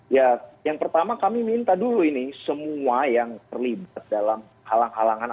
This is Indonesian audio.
ya yang pertama kami minta dulu ini semua yang terlibat dalam halang halangan